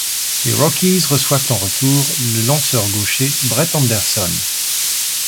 Les Rockies reçoivent en retour le lanceur gaucher Brett Anderson.